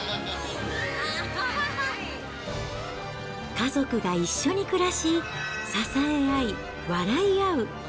家族が一緒に暮らし、支え合い、笑い合う。